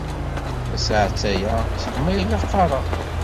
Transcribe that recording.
Tasaɛet aya seg mi ay la qqareɣ.